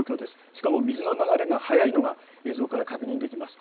しかも水の流れが速いのが映像から確認できます。